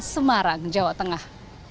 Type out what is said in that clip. semarang jawa tengah